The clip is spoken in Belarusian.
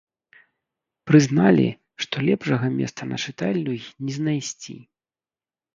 Прызналі, што лепшага месца на чытальню й не знайсці.